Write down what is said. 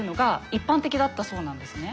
一般的だったそうなんですね。